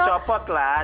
ya dicopot lah